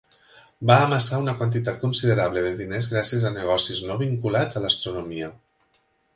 Va amassar una quantitat considerable de diners gràcies a negocis no vinculats a l'astronomia.